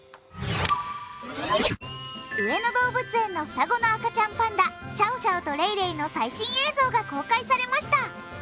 上野動物園の双子の赤ちゃんパンダ、シャオシャオとレイレイの最新映像が公開されました。